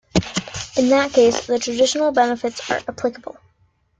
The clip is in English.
In that case, the traditional benefits are applicable.